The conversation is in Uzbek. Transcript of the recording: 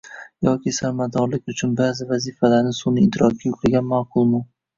yoki samaradorlik uchun baʼzi vazifalarni sunʼiy idrokka yuklagan maqulmi?